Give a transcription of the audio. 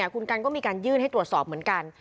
คุณกันก็มีการยื่นให้ตรวจสอบเหมือนกัน